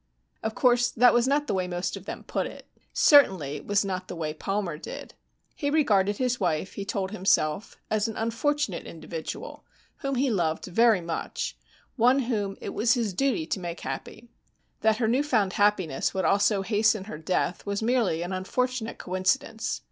Of course that was not the way most of them put it. Certainly it was not the way Palmer did. He regarded his wife, he told himself, as an unfortunate individual whom he loved very much, one whom it was his duty to make happy. That her new found happiness would also hasten her death was merely an unfortunate coincidence.